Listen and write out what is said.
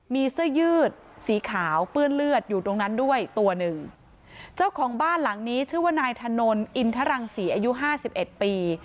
มีเสื้อยืดสีขาวเปื้อนเลือดอยู่ตรงนั้นด้วยตัวหนึ่งเจ้าของบ้านหลังนี้ชื่อว่านายถนนอินทรังศรีอายุห้าสิบเอ็ดปี